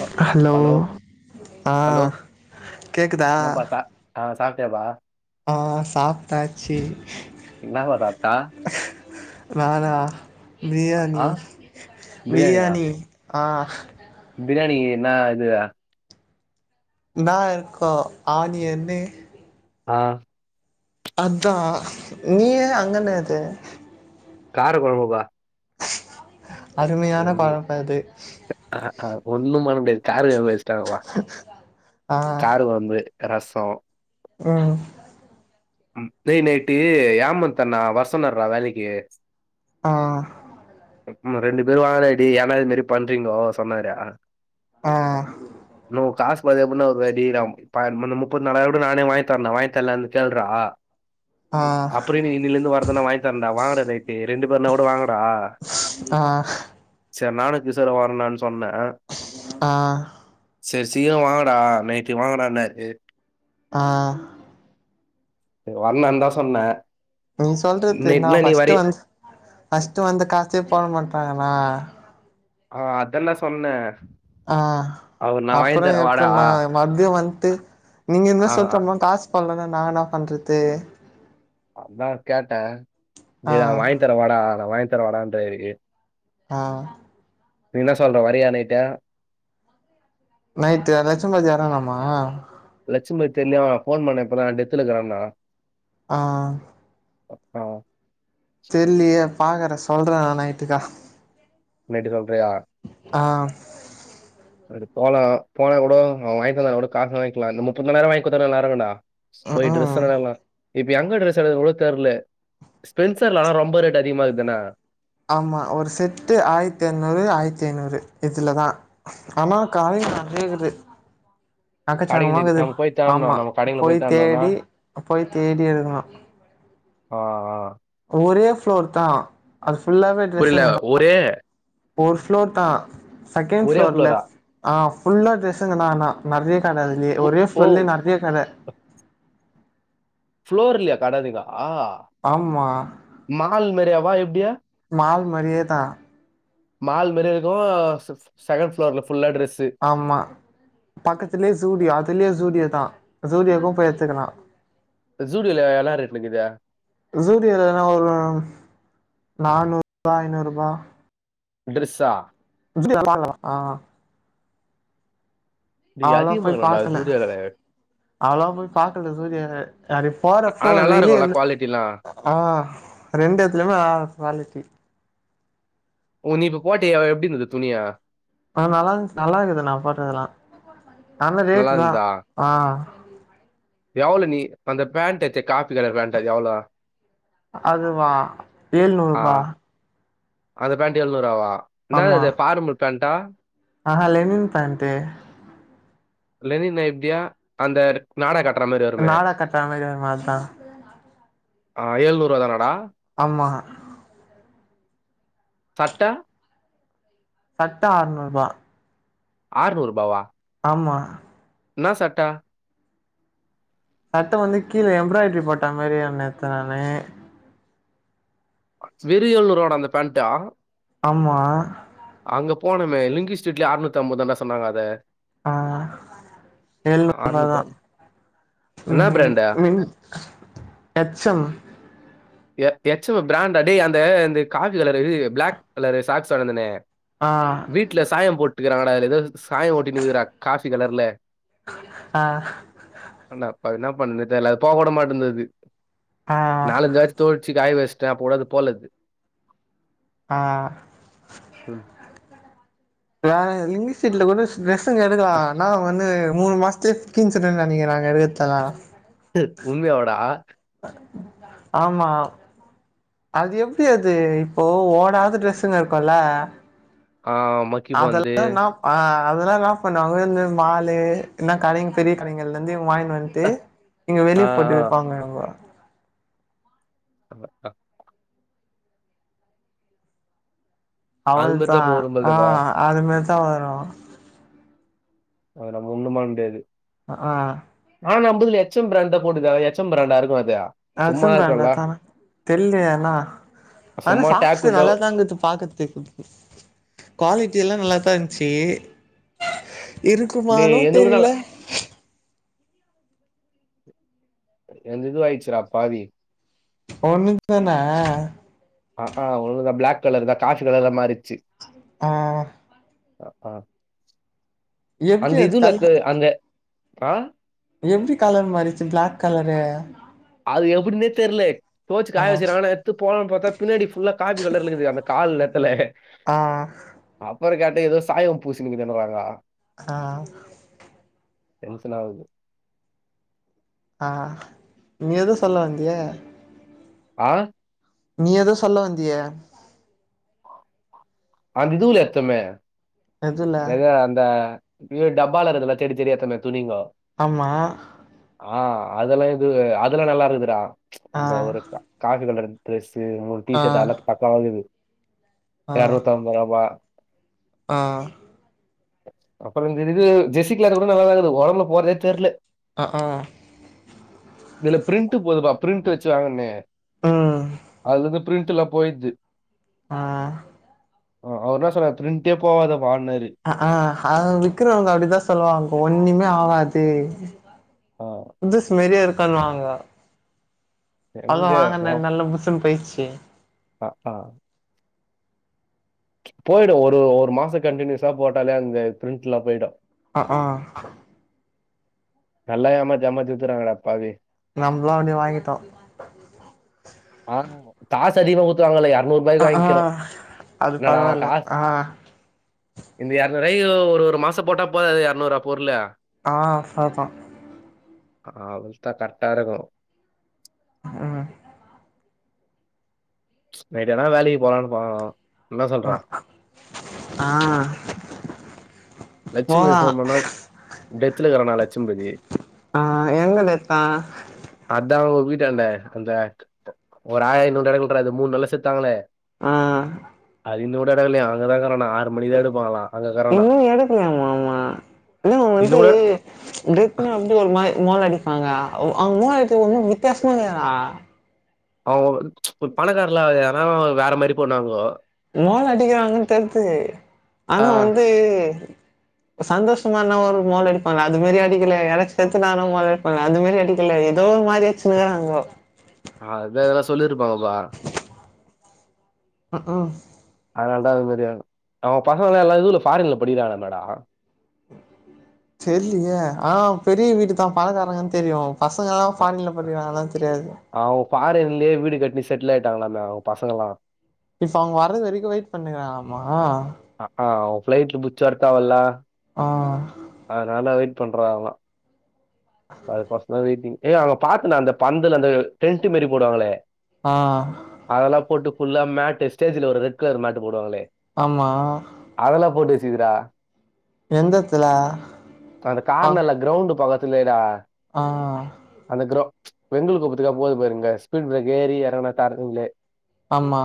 ஹ- ஹ- ஹலோ அ ஹலோ கேக்குதா என்னப்பா சா ஆ சாப்டியாப்பா ஆ சாப்ட்டாச்சு என்னப்பா சாப்பிட்டா நானா ஆ பிரியாணி பிரியாணியா பிரியாணி அ பிரியாணி என்னாது ன்னா இருக்கு ஆனியன்னு ஆ அத்தா நீயு அங்க என்னாது காரக்கொழம்புப்பா அருமையான பழக்கொ இது அக்க ஒண்ணு பன்னமுடியாது காரகொழம்பு வச்சடுங்காப்பா ஆ காரகொழம்பு ரஸ்ஸொ ம் ம் டே நெட்டு ஏமந்த் அண்ணா வரசொன்னார்ரா வேலைக்கு ஆ ம் ரெண்டுபேர் வாங்கடாடே ஏன்டா இதுமேரி பண்றீங்கோ சொன்னாரு அ ஆ ண்ணோ காசு பாது எப்டின்னா ஒரு வெடி நா ப முப்பத்தி நாலைருவோட நானே வாங்கி தர்லா வாங்கி தரலன்னு கேள்றா ஆ அப்பறோ இன்னிக் இன்னைல இருந்து வரதுனா வாங்கி தரண்டா வாங்கடா நைட் ரெண்டு பேருனா கூட வாங்கடா ஆ சர் நானு கிஷோர்ரு வர நான் சொன்னே ஆ சரி சீக்கரோ வாங்கடா நைட்டு வாங்கடனாரு ஆ வர்லன்ந்தா சொன்னே நீ சொல்றது தெர்ணா நைட்னா நீ ஃபஸ்ட் வரி வந்து ஃபஸ்ட் வந்து காசே போட மாட்றாங்கண்ணா ஆ அதெல்லா சொன்னே ஆ அவரு நா வாங்கி அப்பறோ தரே வாடா ஆ எப்புணா மதியோ வந்ட்டு நீங்க எதுனா சொல்ட்ட அப்றமா காசு போவல்லனா நா என்னா பண்றது அதா கேட்ட ஆ டேய் நா வாங்கி தர வாடா நா வாங்கி தர வாடான்றாரு ஆ என்ன சொல்ற வரியா நைட்டு நைட்டு லட்சம்பதி வரானாமா லட்சும்பதி தெர்ல ஃபோன் பண்ண அப்பற டெத்துல இருக்குறனா ஆ அ [unintelligible] தெர்லியே பாக்குறே சொல்ற நா நைட்டுக்கா நைட்டு சொல்றியா ஆ அது போலா போன கூட வாங்கிந்தா கூட காசு வாங்கிக்கலா இந்த முத்துன நேரோ வாங்க குடுத்தா நல்லாருக்குண்டா ம் போய் ம் டிரெஸ்ஸெலா எல்லா இப்ப எங்க ட்ரெஸ் எடுக்கன்னு கூட தெர்ல ஸ்பென்சர்லலா ரொம்ப ரேட் அதிகமா இருக்தான ஆமா ஒரு செட்டு ஆயிரத்தி எரநூறு ஆயிரத்தி ஐநூறு இதுல தா ஆனா காலேக நெறைய இருக்து கடைக்கு அக்கச்சகமா நெறி இக்து நம்ம போய் தேடனோம் ஆமா நம்ம கடைங்கள போய் தேடனோம்னா தேடி போய் தேடி எடுக்கனு ஆ ஆ ஒரே ஃப்ளோர் தா அது ஃபுல்லாவே புரியல ட்ரெஸ்ஸுங்கதா ஒரே ஃபோர் ஃப்ளோர்தா செகண்ட் ஒரே ஃப்ளோர் ஃப்ளோரா லெஃப் ஆ ஃபுல்லா ட்ரெஸ்ஸுங்கதா ஆனா நெறைய கட இருக்கு ஓ ஒரே ஓ ஃபுளோர்லே நெறைய கட ஃப்ளோர்ல கட இருக்தா ஆமா மஹால் மாரியவா எப்டி மால் மாரியே தா மால் மாரி இருக்கு செ செகண்ட் ஃப்ளோர்ல ஃபுல்லா டிரெஸ்ஸு ஆமா பக்கத்துலே ஜூடி அதுலே ஜூடி அதா ஜூடி வேணா போய் எடுத்துக்கலா ஜூடில்ல என்ன ரேட்டுக்குதெ ஜூடில எனா ஒரு நானூறுபா ஐநூறுபா ட்ரஸ்ஸா [inaudible] ஆ டேய் அவ்ளோவா போய் அதிகமாகும்டா பாக்கல ஜூடியோல அவ்ளவா போய் பாக்கல ஜூடியால அப்டியே போறப்போ ஆனா நல்லா இருக்கும்ல வெளியேல்ல குவாலிட்டிலா ஆ ரெண்டு எத்துலயுமே ஆ குவாலிட்டி ஓ நீ இப்ப போட்டயே எப்டி இருந்தது துணி அ நல்லா இருந்துச் நல்லா இருக்குது நா போட்றதெல்லா அந்த நல்லா ரேட் தா ஆ எவ்ள நீ அந்த பேண்ட் தச்ச காபி கலர் பேண்ட் எவ்ளோ அது வா ஆ ஏழுநூறுபா அந்த பேண்ட் எழுநூறுவா என்னா இது பார்முல் பேண்டா ஆ லெனின் பேண்ட் லெனின் நைப்தியா அந்த நார்ர காட்ற மாரி வருமே நாடா கட்ற மாரி வருமே அதா ஆ ஏழுநூறுவா தா நடா ஆமா சட்ட சட்ட ஆறுநூருபா ஆறுநூறுபாவா ஆமா என்னா சட்ட சட்ட வந்து கீழே எம்ப்ராய்டரி போட்ட மாரி ஒன்னு எத்தே நானு ஸ்வெரியாலூரோட அந்த பேண்ட்டா ஆமா அங்க போனமே லிங்கி ஸ்ட்ரீட்லயே அருநூத்தம்பது தான சொன்னாங்க அத ஆ எழுநூறு ரூபா தா ஆற்நூத்தம் என்னா பிராண்டு [unintelligible] எச் எம் எ எச்எ பிராண்ட் அடே அந்த இந்த coffee colour black colour socks வாந்தனே ஆ வீட்ல சாயம் போட்ருக்கிறாங்டா எதோ சாயோ ஓட்டினுக்குதுடா காஃபி கலர்ல ஆ பண்ல அ என்னாப் பண்றதுன் தெரில போக கூட மாட்டேந்தது இது ஆ நாலஞ்ச ஆச்சு தோலுர்ச்சு காய் வஸ்டேன் பொழுது போலது ஆ ம் வேற இங்கிலிஷீட்ல கொண்டு ஸ்ரெஸ்ஸ எடுக்கலா நாங்க வந்து மூணு மாசத்துக்குன் சொல்லி நெனைக்கிறாங்க இத்தெல்லாம் ட்டு உண்மையா வாடா ஆமா அது எப்டி அது இப்போ ஓனாத ட்ரெஸுன் இருக்கும் ல ஆ மை அதெல்லா என்னா ஆ அதெல்லாம் என்னா பண்ணுவாங்கனு வந்து மாலு என்ன கடை பெரிய கடைகள்ல இருந்து வாய்ன்ட்டு வந்து ட்டு இங்க ஆ வெளிய போட்டு ஆ விப்பாங்க அவுங்க ஆ ஆ அது அவ்ள மாரி தா தான் போகும் ஆ போல்துப்பா அதுமாரி தா வரு அதுல முள்ளு மாரி இருந்தது அ ஆ நாலு ஐம்பதுக்கு எச் எம் பிராண்ட போட்டுக்க எச் எம் பிரண்டா இருக்கு அது அ எச் சும்மா எம் இருக்கும்ல பிராண்டட் தா தெரியலயே என்னா ஆனா சும்மா டேக் சாக்சு வந்தா நல்லாதாங் இக்குது பாக்கறதுக்கு குவாலிட்டி எல்லா நல்லாதா இருந்துச்சு இருக்குமானு டேய் என்து கூட தெரில இல்ல என்ன இது வாச்சுடா பாதி ஒண்ணுது தானே ஆ ஆ ஒன்னு தா பிளாக கலர் தா காஃபி கலர் ல மாறிச்சு ஆ ஆ ஆ எப்டி அந்த அது இதுல இ கல அந்த ஆ எப்டி கலர் மாறிச்சு பிளாக் கலரு அது எப்டின்னே தெரியல தோச்சு ஆ காய வச்சு ஆனா எடுத்து போடலானு பாத்தா பின்னாடி ஃபுல்லா காபி கலர் இருக்குது அந்த கால் நிலத்துல ஆ அப்ற கேட்ட ஏதோ சாயம் பூசினுக்குது எண்ணக்குறாங்கோ ஆ டேஸ்சன் ஆகுது ஆ நீ எதுவு சொல்ல வந்தியே ஆ நீ ஏதோ சொல்ல வந்தியே அந்த இதுல எடுத்தமே எதுல எது அந்த இது டப்பால இருந்தல்ல தெடி தெடி எடுத்தமே துணிங்க ஆமா ஆ அதெல்லா இது அதெல்லா நல்லா இருக்குதுடா ம்ச் ஆ இந்த ஒருக்கா காஃபி கலர் ட்ரெஸ் உ டீ ஆ ஷர்ட் எல்லாத்த பக்கம் ஆகுது ஆ இருநூத்தி ஐம்பது ரூபா ஆ அப்ற இந்த இது ஜெஸி கலா கூட நல்லா இருது ஓடம்ல போறதே தெரியல ஆ ஆ இதுல பிரிண்ட் போதுபா பிரிண்ட் வச்சு வாங்கன்னே ம் அதுலந் பிரிண்ட் எல்லா போயிடுது ஆ ஆ ஆ அவர்னா சொன்னா பிரிண்டே போவாத அப்பா மானாரு அ ஆ விக்குரங்க அப்டிதா சொல்லுவாங்க ஒண்ணுமே ஆவாது ஆ புதுசுமரியா இருக்கானு வாங்க அதா எங்க வாங்கன நல்ல புசுன்னு போயிடுச்சு ஆ ஆ போயிடு ஒரு ஒரு மாசம் கண்டினியூஸா போட்டாலே அந்த பிரிண்ட்லா போயிடு ஆ ஆ நல்லா ஏமாத்தி ஏமாத்தி வித்துறாங்கட பாவி நம்மளா அப்டியே வாங்கிட்டோ ஆ காசு அதிகமா கொடுத்து வாங்கல இரநூறு ருபாய்க்கு அ ஆ வாங்கிக்கிறோ அது என்னடா பரவால்ல காச ஆ இந்த இரநூறு ரூபாய்க்கு ஒரு ஒரு மாசம் போட்டா போதாது அது இரநூறுவா பொருள ஆ ஃபோதும் ஆ அவ்ள தா கரெக்டா இருக்கும் ம் ம்ச் நைட்டனா வேலக்கு போகலாம்னு போகனு ஆ ஆ லட்சுமிபதி போலா போன் பண்ணா டெத்துல இருக்குறானா லட்சுமிபதி ஆ எங்க டெத்தா அதா அவுங்க வீட்டாண்ட அந்த ஒரு ஆயா நூ இடக்கு விற அது மூணு நாள்ல செத்தாங்களே ஆ அது இன்னு கூட எடுக்கலயா அங்க தா இருக்கான ஆறு மணிதா எடுப்பாங்களா அங்க இருக்கறானா இன்னு எடுக்கலயா மா ஆமா இன்னு வந்து இன்னொரு டெத்துனா வந்து ஒரு மாரி மோல அடிப்பாங்க அவுங்க மோல அடிக்கு ஒண்ணு வித்தியாசமா இருக்குதுணா அவுங்க பணக்காரல ஏனா வேற மாரி போனாங்கோ மோல அடிக்கிறாங்கன்னு தெர்து ஆனா ஆ வந்து சந்தோஷமானா ஒரு மோலே அடிப்பாங்கல அது மாரி அடிக்கல யாரச்சு செத்துட்டுடாங்கனா மோலே அடிப்பாங்க அது மாரி அடிக் கல்ல ஏதோ ஒரு மாரி அச்சினு இருங்காகோ ஆ எதோ சொல்லியிருப்பாங்கப்பா அ ஆ அதனால தா அது மாரி அவுங்க பசங்கல இதுல ஃபாரின்ல படிகிறங்கலாமே டா தெரியலியே ஆ பெரிய வீட்டுதா பணக்காரங்கன்னு தெரியு பசங்க எல்லா ஃபாரின்ல படிக்கிறாங்கலானு தெரியாது அவுங்க ஃபாரின்லேயே வீடு கட்டினி செட்டில் ஆயிட்டாங்களாமே அவுங்க பசங்களல்லா இப்ப அவுங்க வர்து வரைக்கு வெயிட் பண்ணுகறாங்கலாமா அ ஆ அவ ஃப்ளைட்டு புடிச்ச வரத்தாவல்ல ஆ அதனால்ல வெயிட் பண்றாங்க அதுக்கு ஒசரோ வெயிட்டிங் அ ஏ அங்க பாத்தனா அந்த பந்தல அந்த டென்ட் மாரி போடுவாங்களே ஆ அதெல்லா போட்டு ஃபுல்லா மேட்டு ஸ்டேஜ்ல ஒரு ரெட் கலர் மேட்டு போடுவாங்களே ஆமா அதெல்லா போட்டு வச்சிருகிரா எந்த எத்துல அந்த ஆ கார்னர்ல கிரௌண்டு பக்கத்துலே டா ஆ அந்த கிரரோ வெங்கல கோப்பத்துக்கா போகுது பாருங்க ஸ்பீட் பிரேக் ஏறி இறங்கனா கர்னருலயே ஆமா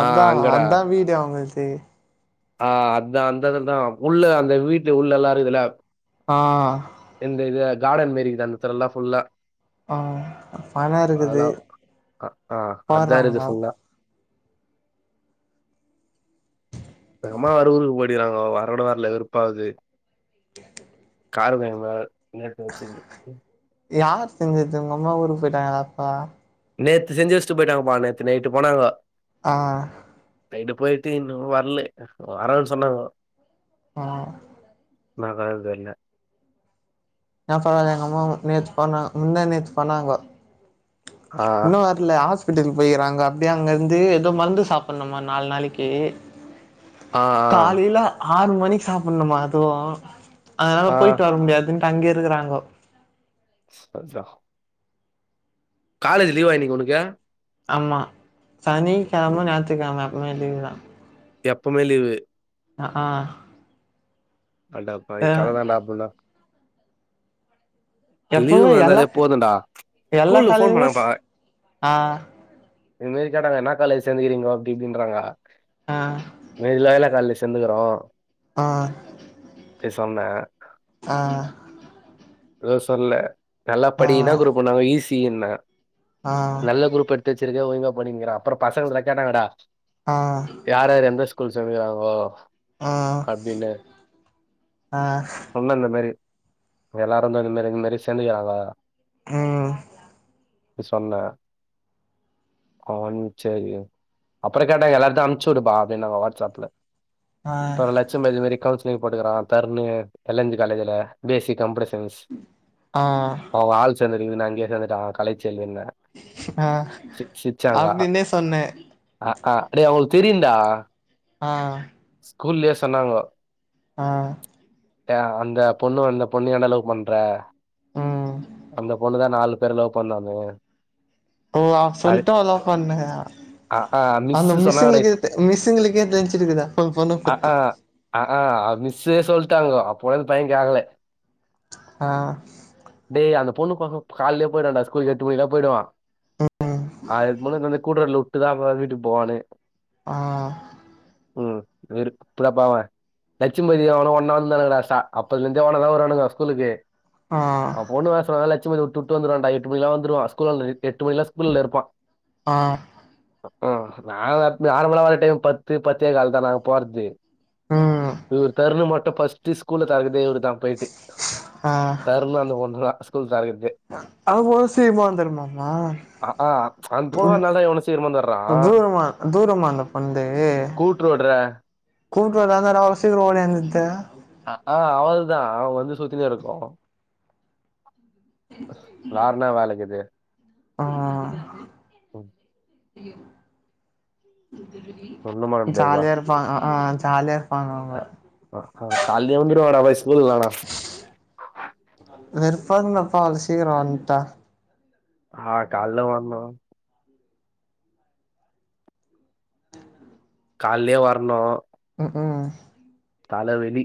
அதா அங்கடா. அதா வீடு அவுங்களுது ஆ அதா அந்த எடோதா உள்ள அந்த வீட்டுல உள்ள எல்லா இருக்குதுல ஆ இந்த இது கார்டன் மாரிக்குது அந்த தெர் எல்லா ஃபுல்லா ஆ பணோ இருக்குது அதலா அ ஆ அதா போட்றாங்க இருக்குது ஃபுல்லா எங்க அம்மா வேற ஊருக்கு போடிறங்க வரோட வரல வெருப்பாகது கார கொழம்பு வேற நேத்து வச்சது யார் செஞ்சது உங்க அம்மா ஊருக்கு போயிட்டாங்க அப்ப நேத்து செஞ்ச வச்சிட்டு போயிட்டாங்கப்பா நேத்து நைட்டு போனாங்க ஆ நைட்டு போயிட்டு இன்னு வரல வரேனு சொன்னாங்க ஆ நா தா தெர்ல ஏ தோழரே எங்க அம்மாவு நேத்து போனாங்க முந்தா நேத்து போனாங்க ஆ இன்னு இல்ல ஹாஸ்பிட்டல் போயிக்றாங்க அப்டியே அங்க இருந்து ஏதோ மருந்து சாப்டணுமா நாலு நாளைக்கு ஆ ஆ காலையில ஆறு மணிக்கு சாப்டனும்மா அதுவு அதனால ஆ போயிட்டு வர முடியாது அங்கயேருக்கிறாங்கோ சரிதா காலேஜ் லிவ்வா இன்னைக்கு உனக்கு ஆமா சனி கெழம்ம ஞாயிற்றுக்கெழம எப்பவுமே லிவ்தா எப்பவுமே லீவு அ ஆ அடப்பாவி அ கத தாண்டா அப்புல்லா லீவு எப்பவுமே எல்லா வந்தாலே போதுடா எல்லா ஸ்கூல்லு ஃபோன் காலேஜுமே ஸ் பண்ணப்பா ஆ இது மேரி கேட்டாங்க என்னா காலேஜ் சேந்துக்குறீங்கே அப்படி இப்டின்றாங்க ஆ இன்னைக்கு தானடா காலேஜ்ல சேந்துருக்குறோ ஆ அப்டி சொன்ன ஆ ஏதும் சொல்ல நல்லா ஆ படி என்ன ஆ குரூப்புன்னாங்க ஈஸியின்னே நல்ல குரூப் எடுத்து து வச்சிருக்க சேரி ஒழுங்கு படிங்குறா அப்புறோ பசங்கல கேட்டாங்கடா ஆ யார் யாரு எந்த ஸ்கூல் சேந்துருக்குறாங்களோ ஆ அப்டின்னு ஆ நம்மளு அந்த மாரி எல்லாரும் இந்மேரி இந்மேரி சேந்துக்குறாங்கோ ம் இ சொன்ன கோபோ வன்சசு அவுருக்கு சரி அப்பறோ கேட்டாங்க எல்லாத்தையு அனுப்புச்சு உடுப்பா அப்டின்னாஙக வாடஸ்அப்ல ஆ ட்ட லட்சம் பேரு இது மேரி கவுன்சிலிங் போட்டுக்கறா தருன்னு எல் என் சி காலேஜில B S C computer science ஆ [unintelligible] அவ ஆள் சேந்துருக்கறதனால அங்கே சேந்துட்ட் அவுங்க கலைச்செல்வின்னு அ சி சிரிச்சாங்க அப்டின்னே சொன்ன அ ஆ டே அவுங்களுக்கு தெரியுன்டா அ ஸ்கூல்லயே சொன்னாங்கோ அ அ அந்த பொண்ணு வந்து அந்த பொண்ணயே என்னைய லவ் பண்றா ம் அந்த பொண்ணுதா நாலு பேர லவ் பண்ணுது ஓ அவா சொல்ட்டா லவ் பண்ணுங்த அ ஆ அந்த மிஸ்ஸு சொன்னாங்கடா மிஸ்ஸுங்களுக்கே தெ மிஸ்ஸுங்களுக்கே தெரிஞ்சுருக்குதா ஆஹா ஆஹா மிஸ்ஸே சொல்லிட்டாங்க அப்பிடியு அந்த பையே கேக்கல ஆ டே அந்த பொண்ணு பாக்க கால்லயே போயிட்டான்டா ஸ்கூல்லுக்கு எட்டு மணிக்கெல்லா போய்டுவா ஆளுருக்கும்போது அந்தந்த ஸ்கூல்ல விட்டுதா வீட்டுக்கு போவனே ஆ ம் வெரு [inaudible] பாவ லட்சுமதி அவனு ஒன்னா வந்தானங்கடா சா அப்போலோந்தே ஒன்னா தா வருவானோங்கோ ஸ்கூலுக்கு ஆ அவ பொண்ணு வேன் சொன்னல லட்சுபதி உட்டு உட்டு வந்துருவான்டா எட்டு மணிலா வந்துருவா ஸ்கூல்லான்ட எ எட்டு மணில்லா ஸ்கூல்ல இருப்பா ஆ ம் ஹும் நாங்க நார்மலா வர்ர டைம் பத்து பத்தே கால் தா நாங்க போறதே ம் இவரு தருணு மட்டு ஃபஸ்ட்டே ஸ்கூல்ல தெரக்குதே இவரு தா போயிட்டு ஆ தரணு அந்த பொண்ணுதா ஸ்கூல் தெரக்கறதே அவளுக்கு மொத சீமாந்தெருமாமா அ ஆ அங்க போகாதனல்லா இவ்வளவு சீக்கிரமா வந்துர்றான் தூரமா தூரமா அந்த ப்ரெண்ட் கூட்டுரோடுற கூட்டு ரோடுடா இருந்தா இன்னரம் சீக்ரோம் ஒடியாருந்துருது அ ஆ அவள்தான் அவன் வந்து சுத்தினே இருக்கும் வேறனா வேலை இக்குது ஆ ஒன்னு பண்ண முடியாதுபா ஜாலியா இருப்பான் அ ஆ ஜாலியா இருப்பாங்க அவுங்க அ ஆ காலயே வந்துருவாங்கடா அப்றோம் ஸ்கூல் வேனாம் வெறுப்பாதுங்கப்பா அதுங்க சீக்கிரம் வன்ட்டா ஆ கால்ல வர்னோ காலயே வர்ணோ ம் ம் தலவெலி